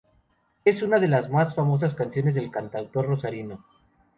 Es una de las más famosas canciones del cantautor rosarino.